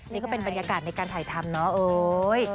นี่ก็เป็นบรรยากาศในการถ่ายทำเนาะเอ้ย